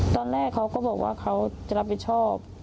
ตอนแรกเขาก็บอกว่าเขาจะรับผิดชอบ